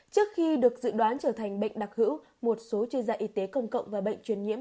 trước khi được dự đoán trở thành bệnh đặc hữu một số chuyên gia y tế công cộng và bệnh truyền nhiễm